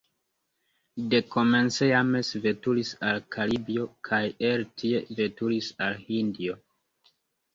Dekomence James veturis al Karibio kaj el tie veturis al Hindio.